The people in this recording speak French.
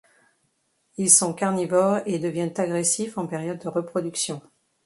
Ils sont carnivores et deviennent agressifs en période de reproduction.